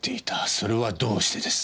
それはどうしてです？